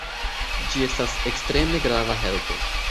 Ĝi estas ekstreme grava helpo.